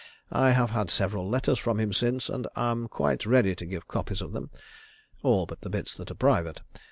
I have had several letters from him since, and am quite ready to give copies of them; all but the bits that are private.